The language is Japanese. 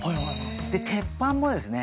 で鉄板もですね